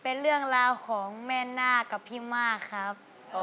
เป็นเรื่องราวของแม่นาคกับพี่มากครับ